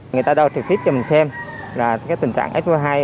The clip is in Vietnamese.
người ta đo trực tiếp cho mình xem là tình trạng f hai